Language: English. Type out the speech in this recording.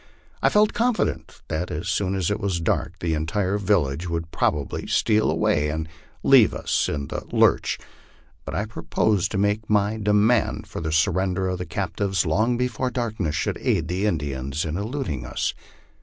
I felt confident that as soon as it was dark the entire village would probably steal away, and leave us in the lurch; but I proposed to make my demand for the surrender of the captives long before darkness should aid the Indians in eluding us.